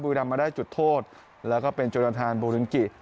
ดำมาได้จุดโทษแล้วก็เป็นโจรทานบูรินกิ